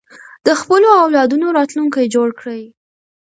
د خپلو اولادونو راتلونکی جوړ کړئ.